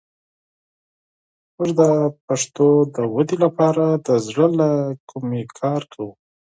موږ د پښتو د ودې لپاره د زړه له کومې کار کوو.